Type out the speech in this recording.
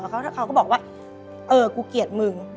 เขาก็บอกว่าเออกูเกลียดมึง